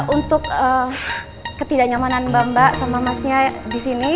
untuk ketidaknyamanan mbak sama masnya disini